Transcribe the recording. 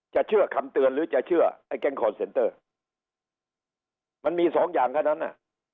จะเชื่อคำเตือนหรือจะเชื่อไอ้แก๊งมันมีสองอย่างแค่นั้นอ่ะ